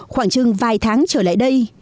khoảng chừng vài tháng trở lại đây